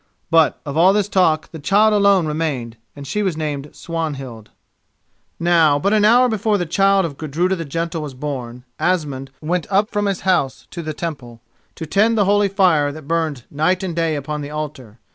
But of all this talk the child alone remained and she was named Swanhild. Now, but an hour before the child of Gudruda the Gentle was born, Asmund went up from his house to the Temple, to tend the holy fire that burned night and day upon the altar.